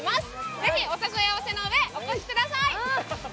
ぜひお誘い合わせのうえお越しください。